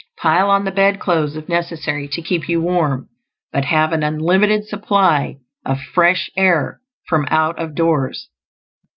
Pile on the bedclothes, if necessary, to keep you warm; but have an unlimited supply of fresh air from out of doors.